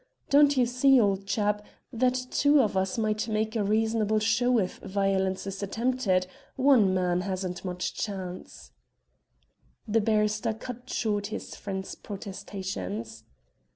Don't you see, old chap, that two of us might make a reasonable show if violence is attempted? One man hasn't much chance." The barrister cut short his friend's protestations.